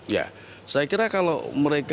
ya saya kira kalau mereka